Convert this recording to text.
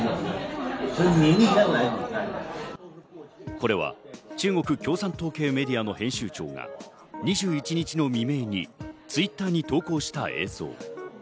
これは中国共産党系メディアの編集長が２１日の未明にＴｗｉｔｔｅｒに投稿した映像。